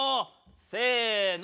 せの。